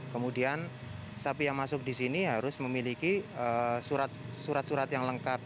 kemudian sapi yang masuk di sini harus memiliki surat surat yang lengkap